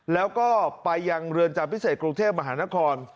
แล้วก็ไปยังเรือนจำพิเศษกรุงเทพมหานคร